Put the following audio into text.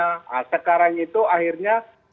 nah sekarang itu akhirnya